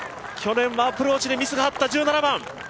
去年はアプローチでミスがあった１７番！